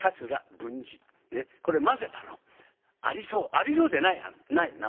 ありそうでない名前ね。